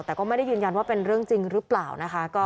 แต่ก็ไม่ได้ยืนยันว่าเป็นเรื่องจริงหรือเปล่านะคะ